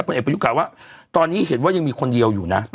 เอกประยุทธ์กล่าว่าตอนนี้เห็นว่ายังมีคนเดียวอยู่นะ